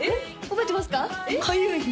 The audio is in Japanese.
覚えてます？